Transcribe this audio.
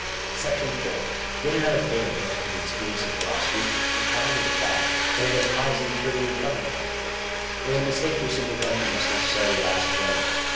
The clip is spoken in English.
.— i. §4. Yet another fatal objection to the expediency philosophy, is to be found in the fact, that it implies the eternity of govern ment It is a mistake to assume that government must neces sarily last for ever.